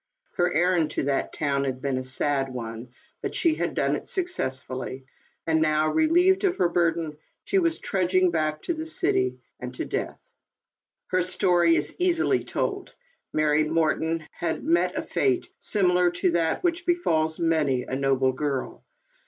Her errand to that town had been a sad one, but she had done it successfully, and now, re lieved of her burden, she was trudging back to the city, and to death. Her story is easily told. Mary Morton had met a fate similar to that which befalls many a noble girl.